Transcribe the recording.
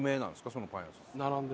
そのパン屋さん。